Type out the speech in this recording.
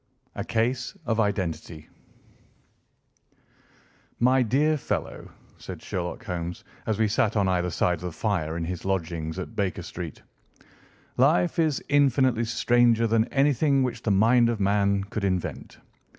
A CASE OF IDENTITY "My dear fellow," said Sherlock Holmes as we sat on either side of the fire in his lodgings at Baker Street, "life is infinitely stranger than anything which the mind of man could invent.